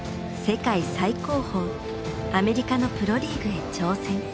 最高峰アメリカのプロリーグへ挑戦。